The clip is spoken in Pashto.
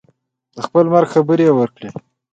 د خپل مرګ خبر یې ورکړی.